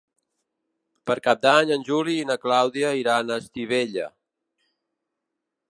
Per Cap d'Any en Juli i na Clàudia iran a Estivella.